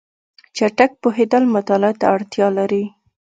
چټک پوهېدل مطالعه ته اړتیا لري.